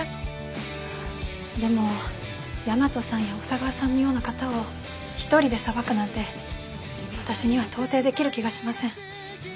でも大和さんや小佐川さんのような方を一人でさばくなんて私には到底できる気がしません。